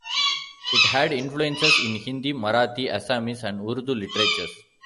It had influences in Hindi, Marathi, Assamese and Urdu literatures.